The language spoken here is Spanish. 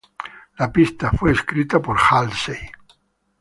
La pista fue escrita por Halsey.